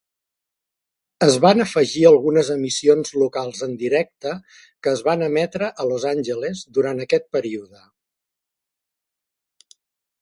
Es van afegir algunes emissions locals en directe que es van emetre a Los Angeles durant aquest període.